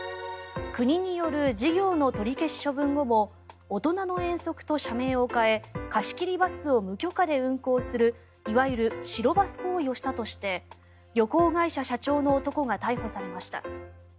国による事業の取り消し処分後もおとなの遠足と社名を変え貸し切りバスを無許可で運行するいわゆる白バス行為をしたとして旅行会社社長の男が逮捕されました。